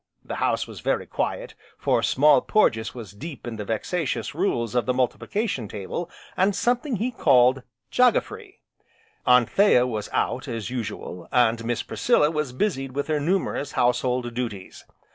The house was very quiet, for Small Porges was deep in the vexatious rules of the Multiplication Table, and something he called "Jogafrey," Anthea was out, as usual, and Miss Priscilla was busied with her numerous household duties.